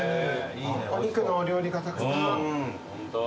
お肉のお料理がたくさん。